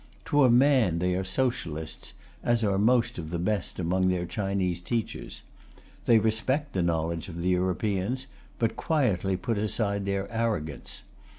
To a man they are Socialists, as are most of the best among their Chinese teachers. They respect the knowledge of Europeans, but quietly put aside their arrogance.